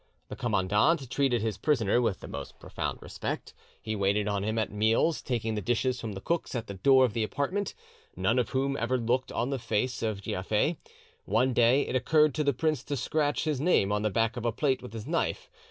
"The commandant treated his prisoner with the most profound respect; he waited on him at meals himself, taking the dishes from the cooks at the door of the apartment, none of whom ever looked on the face of Giafer. One day it occurred to the prince to scratch, his name on the back of a plate with his knife.